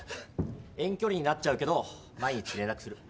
遠距離になっちゃうけど毎日連絡する。